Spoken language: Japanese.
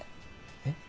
えっ？